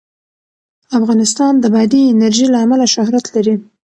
افغانستان د بادي انرژي له امله شهرت لري.